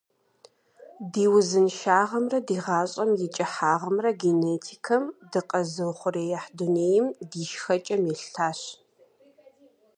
Ди узыншагъэмрэ ди гъащӀэм и кӀыхьагъымрэ генетикэм, дыкъэзыухъуреихь дунейм, ди шхэкӀэм елъытащ.